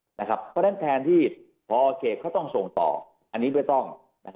เพราะฉะนั้นแทนที่เพราะเอาโอเคเขาต้องทรงต่ออันนี้ไม่ต้อง